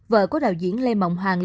vợ của đạo diễn lê mộng hoàng